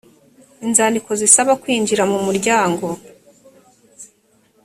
inzandiko zisaba kwinjira mu umuryango